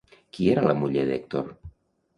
Qui era la muller d'Hèctor?